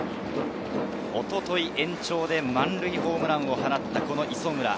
一昨日、延長で満塁ホームランを放った磯村。